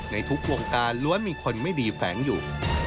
ในทุกวงการล้วนมีคนไม่ดีแฝงอยู่